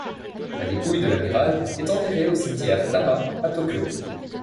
La dépouille de l'amiral est enterrée au cimetière Tama à Tokyo.